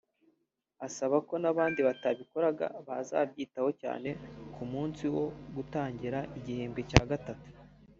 asaba ko n’abandi batabikoraga bazabyitaho cyane ku munsi wo gutangira igihembwe cya gatatu